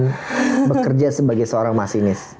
apakah kita perempuan bekerja sebagai seorang masinis